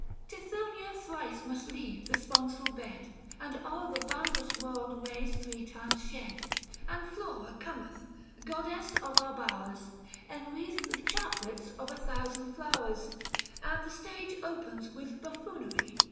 Tithonia thrice must leave the sponsal bed, And o'er the boundless world rays three times shed ; And Flora cometh, goddess of our bowers, Enwreathed with chaplets of a thousand flowers : 1100 And the stage opens with buffoonery.